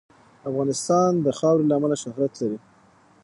افغانستان د خاوره له امله شهرت لري.